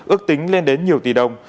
ước tính lên đến nhiều tỷ đồng